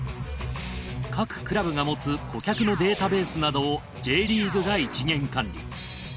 各クラブが持つ顧客のデータベースなどをＪリーグが一元管理。